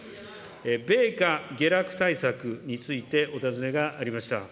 米価下落対策についてお尋ねがありました。